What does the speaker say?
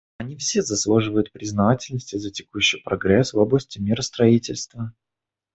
Они все заслуживают признательности за текущий прогресс в области миростроительства.